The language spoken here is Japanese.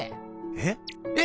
えっ⁉えっ！